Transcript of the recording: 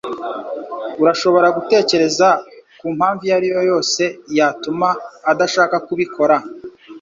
Urashobora gutekereza ku mpamvu iyo ari yo yose yatuma adashaka kubikora?